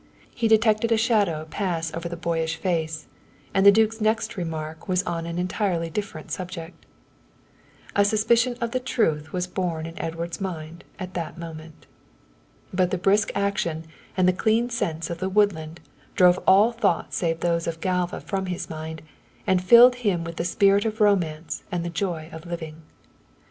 He detected a shadow pass over the boyish face, and the duke's next remark was on an entirely different subject. A suspicion of the truth was born in Edward's mind at that moment. But the brisk action and the clean scents of the woodland drove all thoughts save those of Galva from his mind and filled him with the spirit of romance and the joy of living.